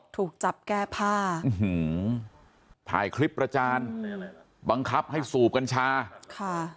ถูกจับแก้ผ้าอื้อหือถ่ายคลิปประจานบังคับให้สูบกัญชาค่ะ